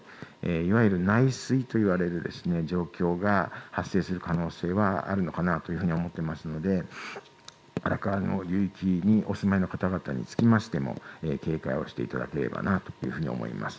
いわゆる内水と呼ばれる状況が発生する可能性があるのかなと思いますので荒川の流域にお住まいの方々につきましても警戒をしていただければなと思います。